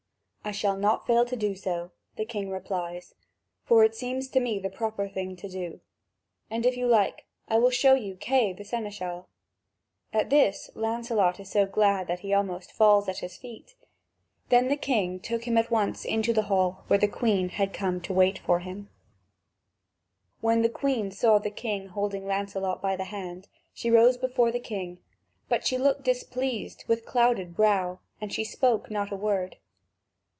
"I shall not fail to do so," the king replies; "for it seems to me the proper thing to do. And if you like, I will show you Kay the seneschal." At this Lancelot is so glad that he almost falls at his feet. Then the king took him at once into the hall, where the Queen had come to wait for him. (Vv. 3955 4030.) When the Queen saw the king holding Lancelot by the hand, she rose before the king, but she looked displeased with clouded brow, and she spoke not a word.